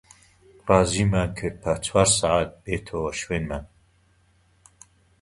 ڕازیمان کرد پاش چوار سەعات بێتەوە شوێنمان